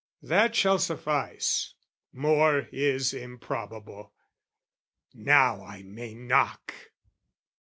"That shall suffice: more is improbable. "Now I may knock!"